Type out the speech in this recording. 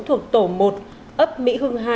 thuộc tổ một ấp mỹ hương hai